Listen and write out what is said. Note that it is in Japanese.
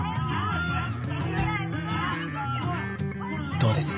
どうです？